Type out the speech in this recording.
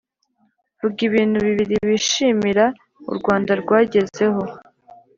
Vuga ibintu bibiri wishimira urwanda rwagezeho